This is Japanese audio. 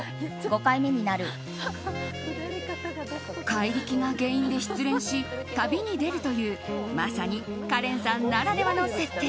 怪力が原因で失恋し旅に出るというまさにカレンさんならではの設定。